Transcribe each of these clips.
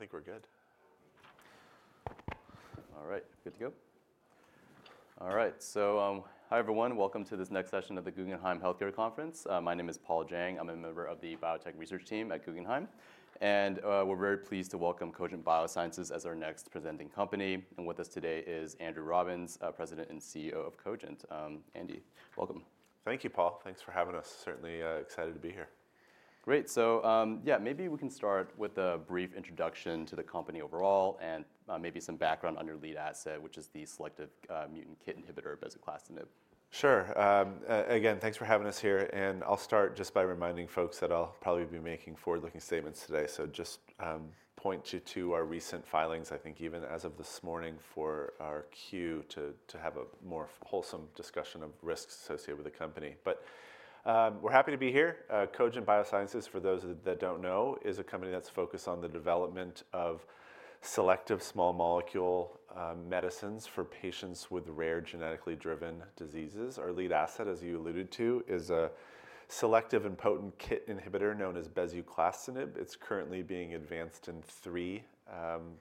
Welcome to this next session of the Guggenheim Healthcare Conference. My name is Paul Jeng. I'm a member of the biotech research team at Guggenheim. And we're very pleased to welcome Cogent Biosciences as our next presenting company. And with us today is Andrew Robbins, President and CEO of Cogent. Andy, welcome. Thank you, Paul. Thanks for having us. Certainly excited to be here. Great. We can start with a brief introduction to the company overall and maybe some background on your lead asset, which is the selective mutant KIT inhibitor, Bezuclastinib. Sure. Again, thanks for having us here, and I'll start just by reminding folks that I'll probably be making forward-looking statements today, so just point you to our recent filings, I think even as of this morning for our Q to have a more wholesome discussion of risks associated with the company, but we're happy to be here. Cogent Biosciences, for those that don't know, is a company that's focused on the development of selective small molecule medicines for patients with rare genetically driven diseases. Our lead asset, as you alluded to, is a selective and potent KIT inhibitor known as Bezuclastinib. It's currently being advanced in three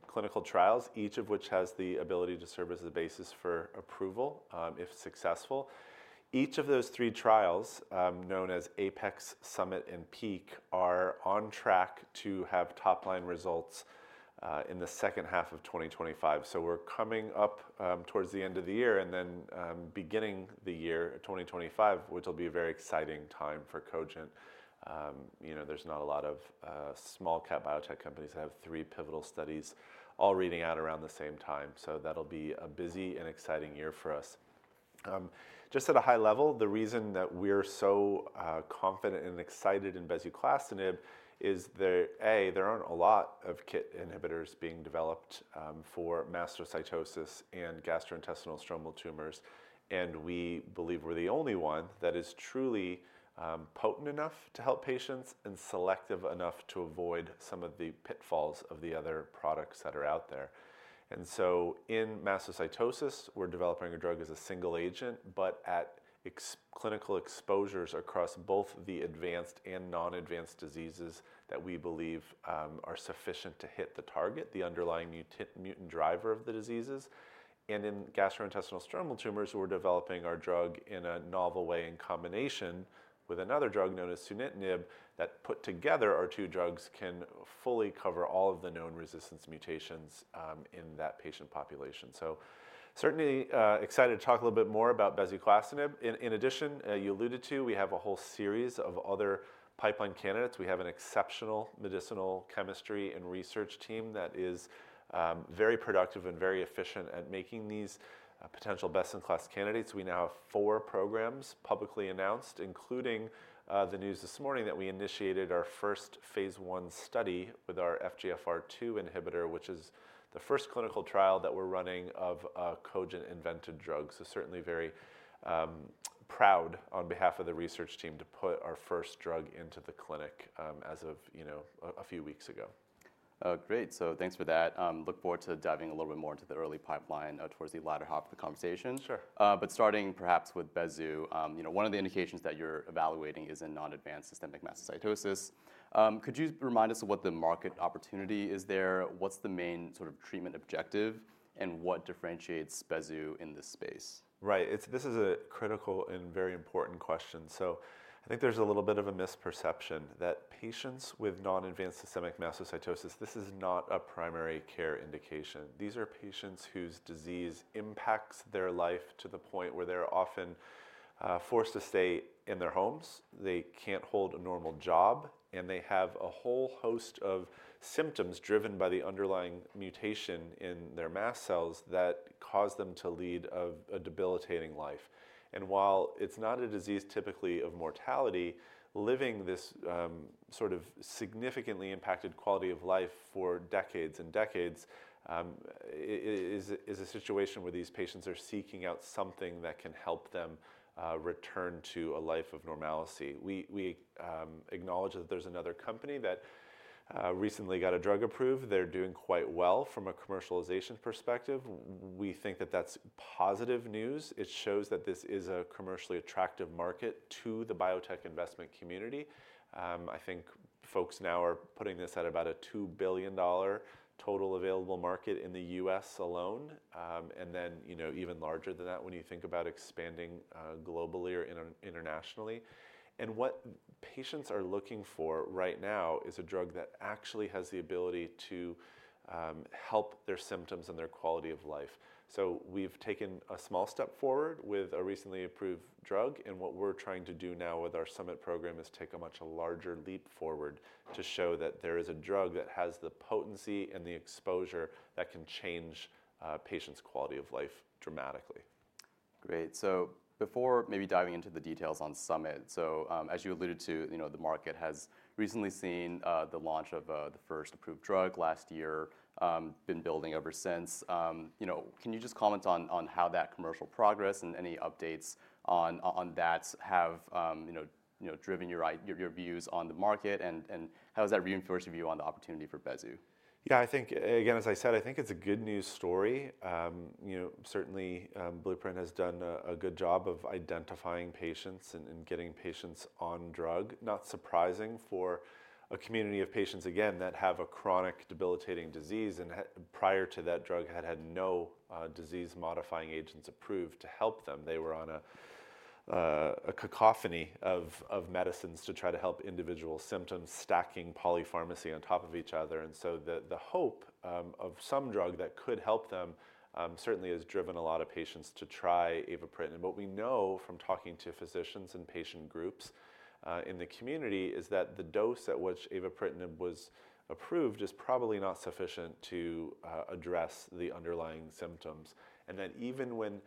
clinical trials, each of which has the ability to serve as a basis for approval if successful. Each of those three trials, known as APEX, SUMMIT, and PEAK, are on track to have top-line results in the second half of 2025. We're coming up towards the end of the year and then beginning the year 2025, which will be a very exciting time for Cogent. There's not a lot of small-cap biotech companies that have three pivotal studies all reading out around the same time. So that'll be a busy and exciting year for us. Just at a high level, the reason that we're so confident and excited in bezuclastinib is that, A, there aren't a lot of KIT inhibitors being developed for mastocytosis and gastrointestinal stromal tumors. And we believe we're the only one that is truly potent enough to help patients and selective enough to avoid some of the pitfalls of the other products that are out there. And so in mastocytosis, we're developing a drug as a single agent, but at clinical exposures across both the advanced and non-advanced diseases that we believe are sufficient to hit the target, the underlying mutant driver of the diseases. And in gastrointestinal stromal tumors, we're developing our drug in a novel way in combination with another drug known as Sunitinib that, put together, our two drugs can fully cover all of the known resistance mutations in that patient population. So certainly excited to talk a little bit more about bezuclastinib. In addition, you alluded to, we have a whole series of other pipeline candidates. We have an exceptional medicinal chemistry and research team that is very productive and very efficient at making these potential best-in-class candidates. We now have four programs publicly announced, including the news this morning that we initiated our first phase I study with our FGFR2 inhibitor, which is the first clinical trial that we're running of a Cogent-invented drug. Certainly very proud on behalf of the research team to put our first drug into the clinic as of a few weeks ago. Great. So thanks for that. Look forward to diving a little bit more into the early pipeline towards the latter half of the conversation. But starting perhaps with Bezu, one of the indications that you're evaluating is in non-advanced systemic mastocytosis. Could you remind us of what the market opportunity is there? What's the main sort of treatment objective and what differentiates Bezu in this space? Right. This is a critical and very important question. So I think there's a little bit of a misperception that patients with Non-advanced Systemic Mastocytosis, this is not a primary care indication. These are patients whose disease impacts their life to the point where they're often forced to stay in their homes. They can't hold a normal job, and they have a whole host of symptoms driven by the underlying mutation in their mast cells that cause them to lead a debilitating life. And while it's not a disease typically of mortality, living this sort of significantly impacted quality of life for decades and decades is a situation where these patients are seeking out something that can help them return to a life of normalcy. We acknowledge that there's another company that recently got a drug approved. They're doing quite well from a commercialization perspective. We think that that's positive news. It shows that this is a commercially attractive market to the biotech investment community. I think folks now are putting this at about a $2 billion total available market in the U.S. alone, and then even larger than that when you think about expanding globally or internationally. And what patients are looking for right now is a drug that actually has the ability to help their symptoms and their quality of life. So we've taken a small step forward with a recently approved drug. And what we're trying to do now with our SUMMIT program is take a much larger leap forward to show that there is a drug that has the potency and the exposure that can change patients' quality of life dramatically. Great. Before maybe diving into the details on SUMMIT, so as you alluded to, the market has recently seen the launch of the first approved drug last year, been building ever since. Can you just comment on how that commercial progress and any updates on that have driven your views on the market? And how has that reinforced your view on the opportunity for Bezu? Yeah, It's a good news story. Certainly, Blueprint has done a good job of identifying patients and getting patients on drug. Not surprising for a community of patients, again, that have a chronic debilitating disease, and prior to that, drug had had no disease-modifying agents approved to help them. They were on a cacophony of medicines to try to help individual symptoms, stacking polypharmacy on top of each other, and so the hope of some drug that could help them certainly has driven a lot of patients to try Avapritinib, and what we know from talking to physicians and patient groups in the community is that the dose at which Avapritinib was approved is probably not sufficient to address the underlying symptoms. That even when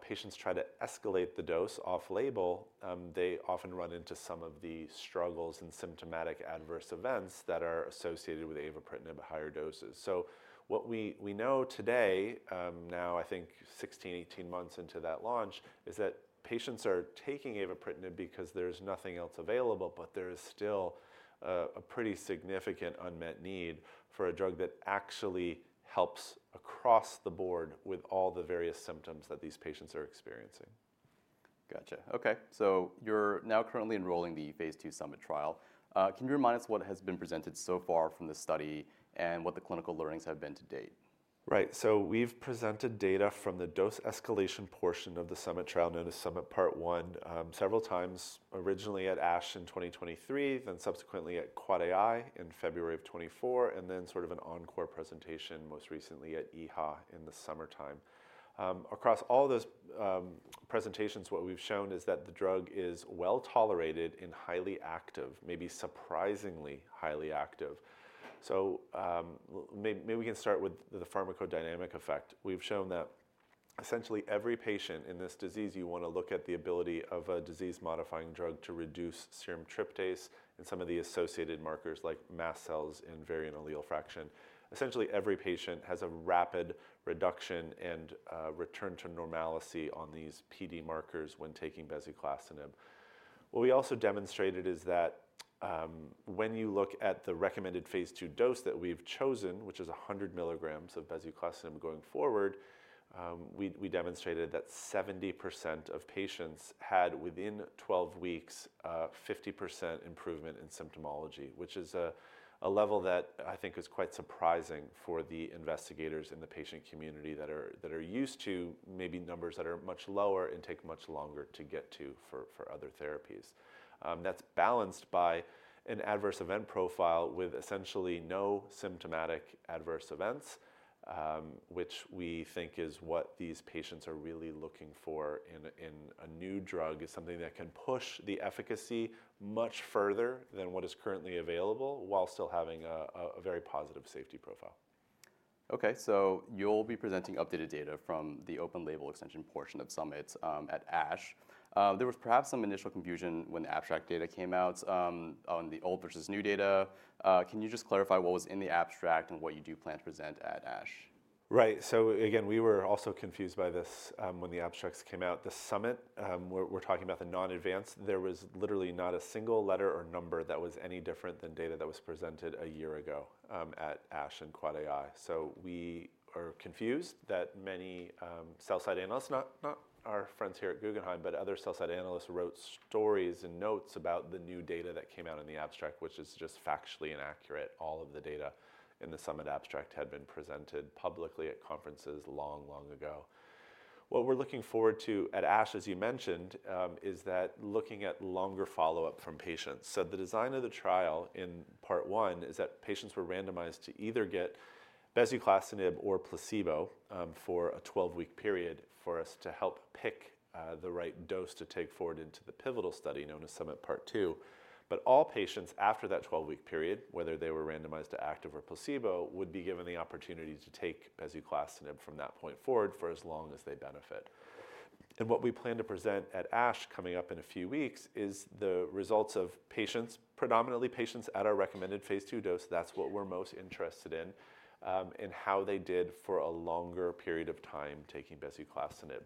patients try to escalate the dose off-label, they often run into some of the struggles and symptomatic adverse events that are associated with Avapritinib at higher doses. What we know today, now I think 16-18 months into that launch, is that patients are taking Avapritinib because there's nothing else available, but there is still a pretty significant unmet need for a drug that actually helps across the board with all the various symptoms that these patients are experiencing. Gotcha. Okay. So you're now currently enrolling the phase II SUMMIT trial. Can you remind us what has been presented so far from the study and what the clinical learnings have been to date? Right. We've presented data from the dose escalation portion of the SUMMIT trial known as SUMMIT part one several times, originally at ASH in 2023, then subsequently at QuadAI in February of 2024, and then sort of an encore presentation most recently at EHA in the summertime. Across all those presentations, what we've shown is that the drug is well tolerated and highly active, maybe surprisingly highly active. So maybe we can start with the pharmacodynamic effect. We've shown that essentially every patient in this disease, you want to look at the ability of a disease-modifying drug to reduce serum tryptase and some of the associated markers like mast cells and variant allele fraction. Essentially, every patient has a rapid reduction and return to normalcy on these PD markers when taking Bezuclastinib. What we also demonstrated is that when you look at the recommended phase II dose that we've chosen, which is 100 milligrams of bezuclastinib going forward, we demonstrated that 70% of patients had within 12 weeks 50% improvement in symptomology, which is a level that I think is quite surprising for the investigators in the patient community that are used to maybe numbers that are much lower and take much longer to get to for other therapies. That's balanced by an adverse event profile with essentially no symptomatic adverse events, which we think is what these patients are really looking for in a new drug, something that can push the efficacy much further than what is currently available while still having a very positive safety profile. Okay. So you'll be presenting updated data from the open label extension portion of SUMMIT at ASH. There was perhaps some initial confusion when the abstract data came out on the old versus new data. Can you just clarify what was in the abstract and what you do plan to present at ASH? Right. So again, we were also confused by this when the abstracts came out. The SUMMIT, we're talking about the non-advanced, there was literally not a single letter or number that was any different than data that was presented a year ago at ASH and QuadAI. So we are confused that many sell-side analysts, not our friends here at Guggenheim, but other sell-side analysts wrote stories and notes about the new data that came out in the abstract, which is just factually inaccurate. All of the data in the SUMMIT abstract had been presented publicly at conferences long, long ago. What we're looking forward to at ASH, as you mentioned, is that looking at longer follow-up from patients. The design of the trial in part one is that patients were randomized to either get bezuclastinib or placebo for a 12-week period for us to help pick the right dose to take forward into the pivotal study known as SUMMIT part two. But all patients after that 12-week period, whether they were randomized to active or placebo, would be given the opportunity to take bezuclastinib from that point forward for as long as they benefit. And what we plan to present at ASH coming up in a few weeks is the results of patients, predominantly patients at our recommended phase II dose. That's what we're most interested in and how they did for a longer period of time taking bezuclastinib.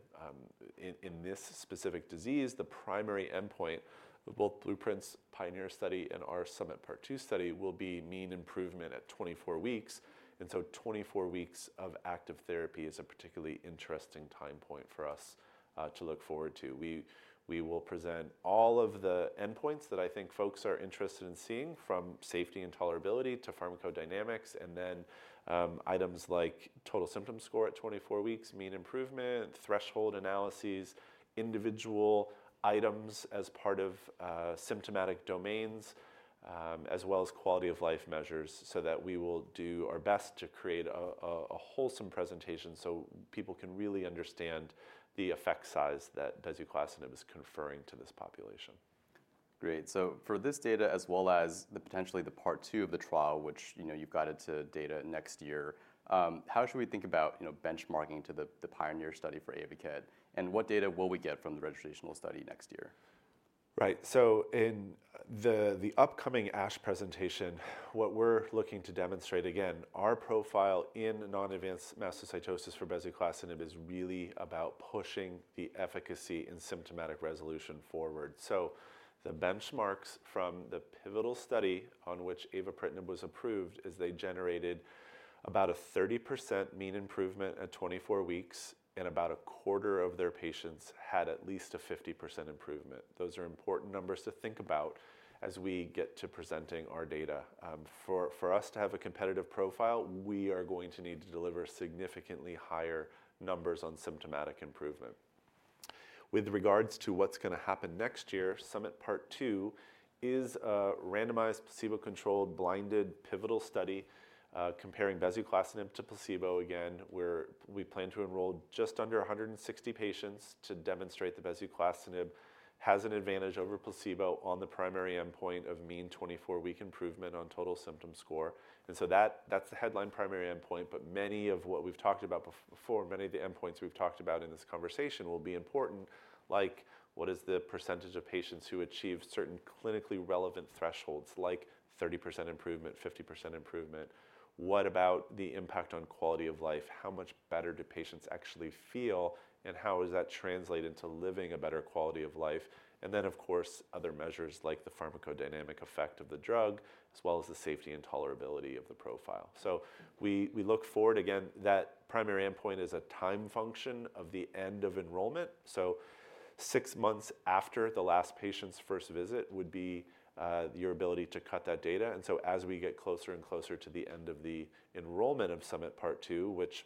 In this specific disease, the primary endpoint of both Blueprint's PIONEER study and our SUMMIT part two study will be mean improvement at 24 weeks. And so 24 weeks of active therapy is a particularly interesting time point for us to look forward to. We will present all of the endpoints that I think folks are interested in seeing from safety and tolerability to pharmacodynamics, and then items like total symptom score at 24 weeks, mean improvement, threshold analyses, individual items as part of symptomatic domains, as well as quality of life measures so that we will do our best to create a wholesome presentation so people can really understand the effect size that bezuclastinib is conferring to this population. Great. So for this data, as well as potentially the part two of the trial, which you've guided to data next year, how should we think about benchmarking to the PIONEER study for Avapritinib? And what data will we get from the registrational study next year? Right. So in the upcoming ASH presentation, what we're looking to demonstrate, again, our profile in non-advanced mastocytosis for bezuclastinib is really about pushing the efficacy and symptomatic resolution forward. So the benchmarks from the pivotal study on which Avapritinib was approved is they generated about a 30% mean improvement at 24 weeks, and about a quarter of their patients had at least a 50% improvement. Those are important numbers to think about as we get to presenting our data. For us to have a competitive profile, we are going to need to deliver significantly higher numbers on symptomatic improvement. With regards to what's going to happen next year, SUMMIT part two is a randomized placebo-controlled blinded pivotal study comparing bezuclastinib to placebo. Again, we plan to enroll just under 160 patients to demonstrate that bezuclastinib has an advantage over placebo on the primary endpoint of mean 24-week improvement on total symptom score, and so that's the headline primary endpoint, but many of what we've talked about before, many of the endpoints we've talked about in this conversation will be important, like what is the percentage of patients who achieve certain clinically relevant thresholds like 30% improvement, 50% improvement? What about the impact on quality of life? How much better do patients actually feel? And how does that translate into living a better quality of life? And then, of course, other measures like the pharmacodynamic effect of the drug, as well as the safety and tolerability of the profile, so we look forward. Again, that primary endpoint is a time function of the end of enrollment. Six months after the last patient's first visit would be your ability to cut that data. And so as we get closer and closer to the end of the enrollment of SUMMIT part two, which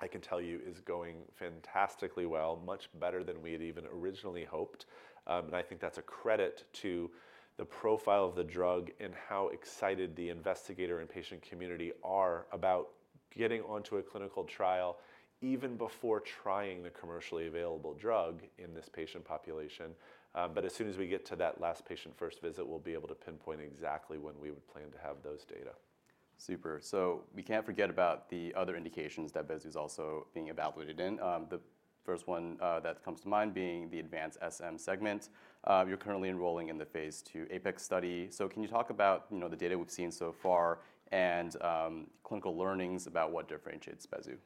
I can tell you is going fantastically well, much better than we had even originally hoped. And I think that's a credit to the profile of the drug and how excited the investigator and patient community are about getting onto a clinical trial even before trying the commercially available drug in this patient population. But as soon as we get to that last patient first visit, we'll be able to pinpoint exactly when we would plan to have those data. Super. So we can't forget about the other indications that Bezu is also being evaluated in. The first one that comes to mind being the advanced SM segment. You're currently enrolling in the phase II APEX study. So can you talk about the data we've seen so far and clinical learnings about what differentiates Bezu?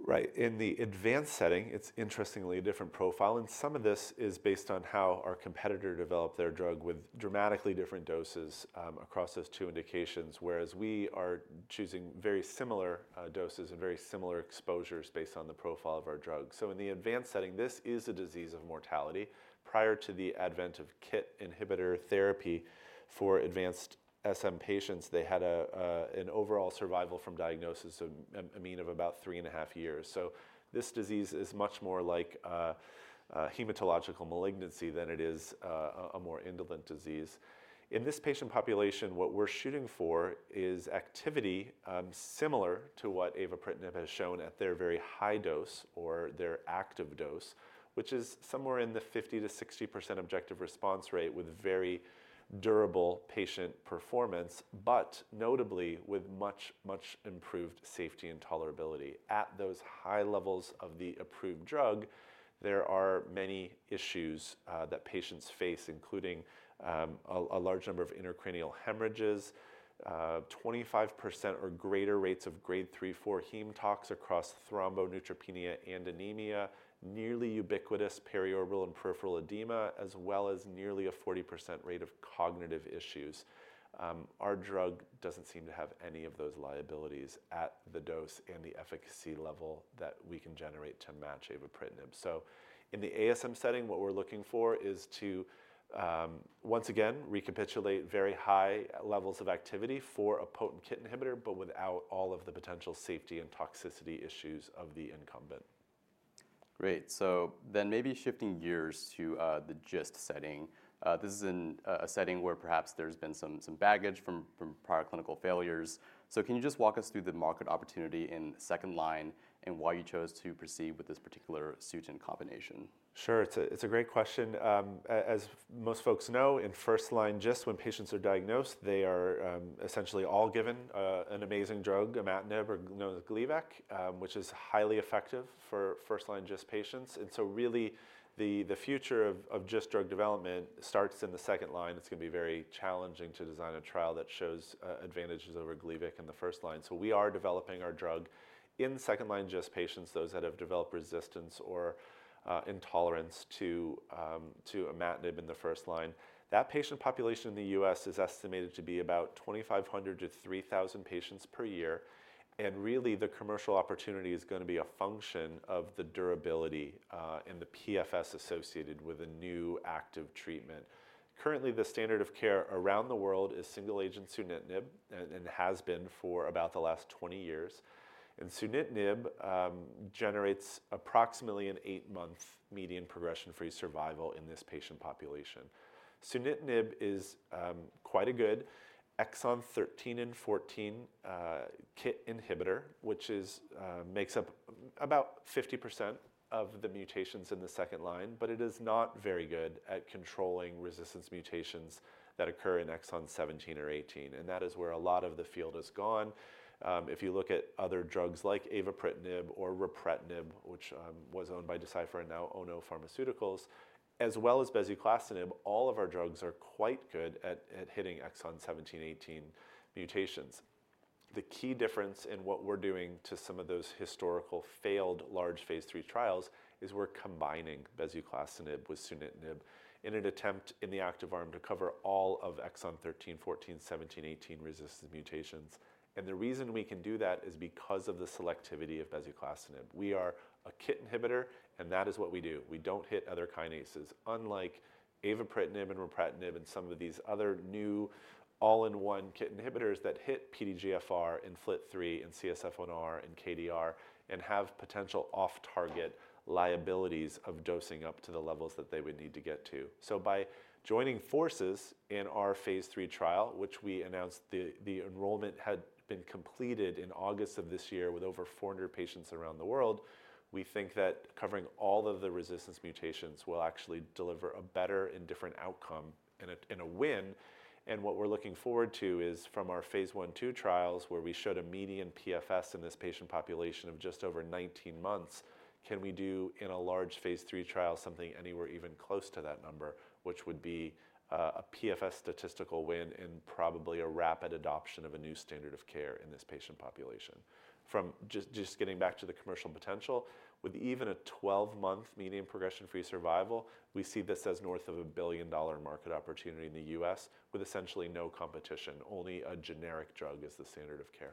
Right. In the advanced setting, it's interestingly a different profile. And some of this is based on how our competitor developed their drug with dramatically different doses across those two indications, whereas we are choosing very similar doses and very similar exposures based on the profile of our drug. So in the advanced setting, this is a disease of mortality. Prior to the advent of KIT inhibitor therapy for advanced SM patients, they had an overall survival from diagnosis of a mean of about three and a half years. So this disease is much more like a hematological malignancy than it is a more indolent disease. In this patient population, what we're shooting for is activity similar to what Avapritinib has shown at their very high dose or their active dose, which is somewhere in the 50%-60% objective response rate with very durable patient performance, but notably with much, much improved safety and tolerability. At those high levels of the approved drug, there are many issues that patients face, including a large number of intracranial hemorrhages, 25% or greater rates of grade three to four heme tox across thrombocytopenia and neutropenia and anemia, nearly ubiquitous periorbital and peripheral edema, as well as nearly a 40% rate of cognitive issues. Our drug doesn't seem to have any of those liabilities at the dose and the efficacy level that we can generate to match Avapritinib. In the ASM setting, what we're looking for is to once again recapitulate very high levels of activity for a potent KIT inhibitor, but without all of the potential safety and toxicity issues of the incumbent. Great. So then maybe shifting gears to the GIST setting. This is a setting where perhaps there's been some baggage from prior clinical failures. So can you just walk us through the market opportunity in second line and why you chose to proceed with this particular study and combination? Sure. It's a great question. As most folks know, in first-line GIST when patients are diagnosed, they are essentially all given an amazing drug, Imatinib or Gleevec, which is highly effective for first-line GIST patients, and so really the future of GIST drug development starts in the second line. It's going to be very challenging to design a trial that shows advantages over Gleevec in the first line, so we are developing our drug in second-line GIST patients, those that have developed resistance or intolerance to Imatinib in the first line. That patient population in the U.S. is estimated to be about 2,500 to 3,000 patients per year, and really the commercial opportunity is going to be a function of the durability and the PFS associated with a new active treatment. Currently, the standard of care around the world is single agent Sunitinib and has been for about the last 20 years, and Sunitinib generates approximately an 8-month median progression-free survival in this patient population. Sunitinib is quite a good exon 13 and 14 KIT inhibitor, which makes up about 50% of the mutations in the second line, but it is not very good at controlling resistance mutations that occur in exon 17 or 18, and that is where a lot of the field has gone. If you look at other drugs like Avapritinib or Ripretinib, which was owned by Deciphera and now Ono Pharmaceutical, as well as bezuclastinib, all of our drugs are quite good at hitting exon 17, 18 mutations. The key difference in what we're doing to some of those historical failed large phase III trials is we're combining bezuclastinib with sunitinib in an attempt in the active arm to cover all of exon 13, 14, 17, 18 resistance mutations, and the reason we can do that is because of the selectivity of bezuclastinib. We are a KIT inhibitor, and that is what we do. We don't hit other kinases, unlike Avapritinib and Ripretinib and some of these other new all-in-one KIT inhibitors that hit PDGFR and FLT3 and CSF1R and KDR and have potential off-target liabilities of dosing up to the levels that they would need to get to. So by joining forces in our phase III trial, which we announced the enrollment had been completed in August of this year with over 400 patients around the world, we think that covering all of the resistance mutations will actually deliver a better and different outcome and a win. And what we're looking forward to is from our phase I/2 trials, where we showed a median PFS in this patient population of just over 19 months, can we do in a large phase III trial something anywhere even close to that number, which would be a PFS statistical win and probably a rapid adoption of a new standard of care in this patient population? From just getting back to the commercial potential, with even a 12-month median progression-free survival, we see this as north of a $1 billion market opportunity in the U.S. with essentially no competition, only a generic drug as the standard of care.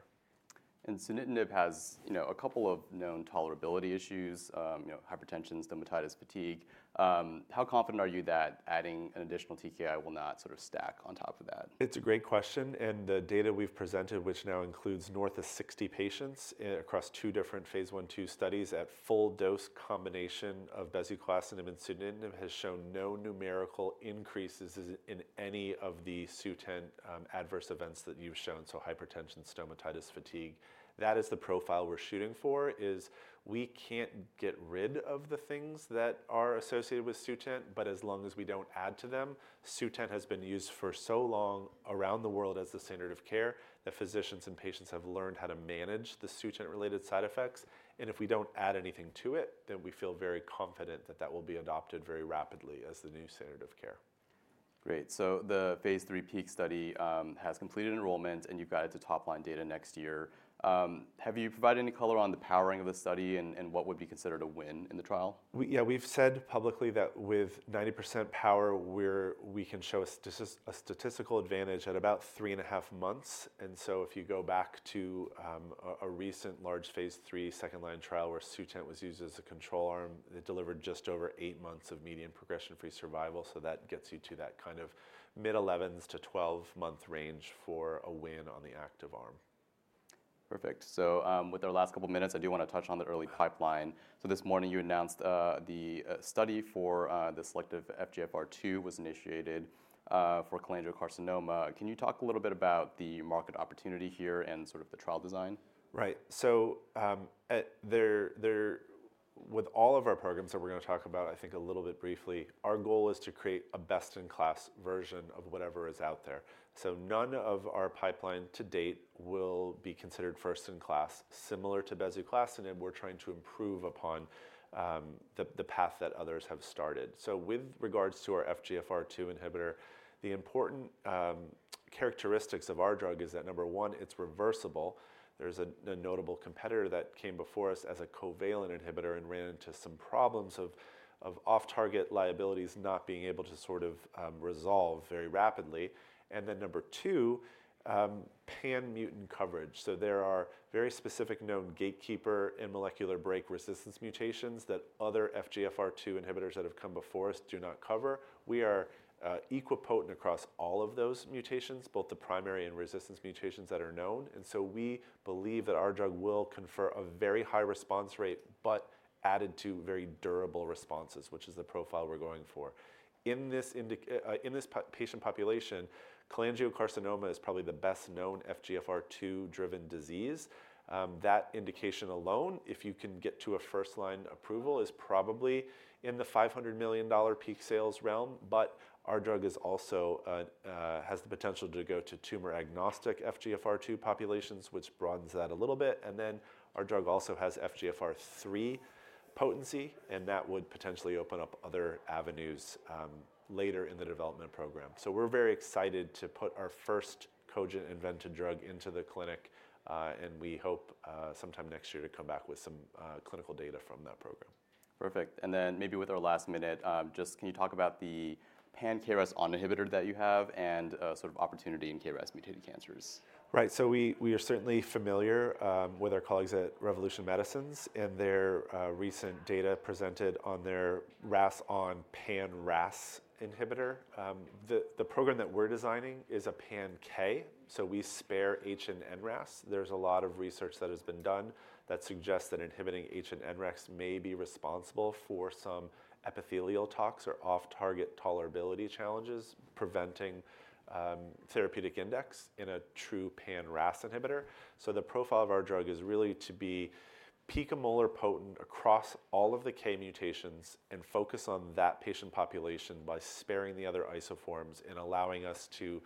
Sunitinib has a couple of known tolerability issues, hypertension, stomatitis, fatigue. How confident are you that adding an additional TKI will not sort of stack on top of that? It's a great question, and the data we've presented, which now includes north of 60 patients across two different phase I two studies at full dose combination of bezuclastinib and Sunitinib, has shown no numerical increases in any of the SUTENT adverse events that you've shown, so hypertension, stomatitis, fatigue. That is the profile we're shooting for, is we can't get rid of the things that are associated with SUTENT, but as long as we don't add to them, SUTENT has been used for so long around the world as the standard of care that physicians and patients have learned how to manage the SUTENT-related side effects, and if we don't add anything to it, then we feel very confident that that will be adopted very rapidly as the new standard of care. Great. So the phase III PEAK study has completed enrollment and you've got it to top line data next year. Have you provided any color on the powering of the study and what would be considered a win in the trial? Yeah, we've said publicly that with 90% power, we can show a statistical advantage at about three and a half months. And so if you go back to a recent large phase III second-line trial where Sutent was used as a control arm, it delivered just over eight months of median progression-free survival. So that gets you to that kind of mid-11s to 12-month range for a win on the active arm. Perfect. So with our last couple of minutes, I do want to touch on the early pipeline. So this morning you announced the study for the selective FGFR2 was initiated for cholangiocarcinoma. Can you talk a little bit about the market opportunity here and sort of the trial design? Right. So with all of our programs that we're going to talk about, I think a little bit briefly, our goal is to create a best-in-class version of whatever is out there. So none of our pipeline to date will be considered first-in-class similar to bezuclastinib. We're trying to improve upon the path that others have started. So with regards to our FGFR2 inhibitor, the important characteristics of our drug is that number one, it's reversible. There's a notable competitor that came before us as a covalent inhibitor and ran into some problems of off-target liabilities not being able to sort of resolve very rapidly. And then number two, pan mutant coverage. So there are very specific known gatekeeper and molecular break resistance mutations that other FGFR2 inhibitors that have come before us do not cover. We are equal potent across all of those mutations, both the primary and resistance mutations that are known, and so we believe that our drug will confer a very high response rate, but added to very durable responses, which is the profile we're going for. In this patient population, cholangiocarcinoma is probably the best known FGFR2-driven disease. That indication alone, if you can get to a first line approval, is probably in the $500 million peak sales realm, but our drug also has the potential to go to tumor agnostic FGFR2 populations, which broadens that a little bit, and then our drug also has FGFR3 potency, and that would potentially open up other avenues later in the development program. So we're very excited to put our first Cogent invented drug into the clinic, and we hope sometime next year to come back with some clinical data from that program. Perfect. And then maybe with our last minute, just can you talk about the pan-KRAS inhibitor that you have and sort of opportunity in KRAS mutated cancers? Right. So we are certainly familiar with our colleagues at Revolution Medicines and their recent data presented on their RAS(ON) pan-RAS inhibitor. The program that we're designing is a pan-KRAS. So we spare HRAS and NRAS. There's a lot of research that has been done that suggests that inhibiting HRAS and NRAS may be responsible for some epithelial tox or off-target tolerability challenges preventing therapeutic index in a true pan-RAS inhibitor. So the profile of our drug is really to be picomolar potent across all of the KRAS mutations and focus on that patient population by sparing the other isoforms and allowing us to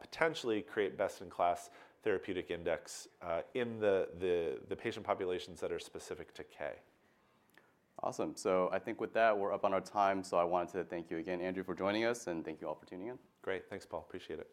potentially create best-in-class therapeutic index in the patient populations that are specific to KRAS. Awesome. So I think with that, we're up on our time. So I wanted to thank you again, Andrew, for joining us, and thank you all for tuning in. Great. Thanks, Paul. Appreciate it.